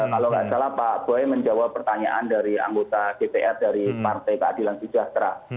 kalau nggak salah pak boy menjawab pertanyaan dari anggota dpr dari partai keadilan sejahtera